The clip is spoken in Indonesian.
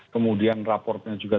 kemudian raportnya juga